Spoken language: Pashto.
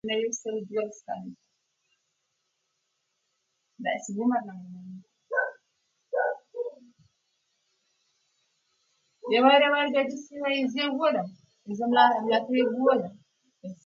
اداري اصلاحات باید د ولس د باور د ترلاسه کولو لپاره عملي شي